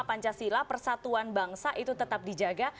pancasila persatuan bangsa itu tetap dijaga